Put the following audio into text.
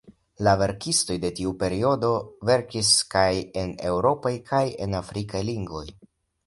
La verkistoj de tiu periodo verkis kaj en eŭropaj kaj en afrikaj lingvoj.